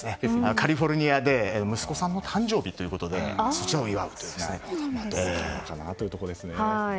カリフォルニアで息子さんの誕生日ということでそちらを祝うということです。